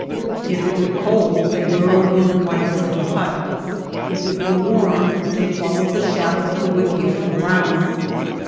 If it were cold, they burrowed in the blankets of the hut; if it were warm, they followed the shadow of the wickiup around.